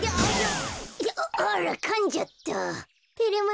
ああらかんじゃった。